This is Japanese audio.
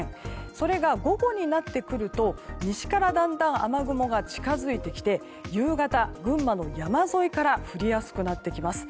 それが午後になってくると西からだんだん雨雲が近づいてきて夕方、群馬の山沿いから降りやすくなってきます。